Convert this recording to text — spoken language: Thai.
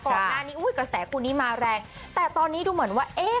อุ้ยกระแสคู่นี้มาแรงแต่ตอนนี้ดูเหมือนว่าเอ๊ะ